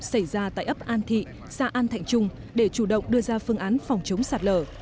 xảy ra tại ấp an thị xã an thạnh trung để chủ động đưa ra phương án phòng chống sạt lở